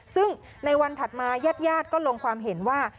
ซึ่งในวันถัดมาญาติญาติก็ลงความเห็นว่า